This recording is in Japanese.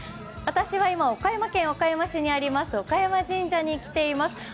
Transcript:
私は今岡山県岡山市にあります岡山神社に来ています。